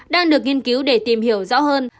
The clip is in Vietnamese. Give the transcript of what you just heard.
đang được nghiên cứu để tìm hiểu rõ hơn